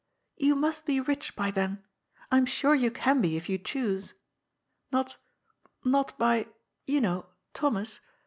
^^ You must be rich by then. I am sure you can be if you choose. Not, not by — ^you know*— Thomas.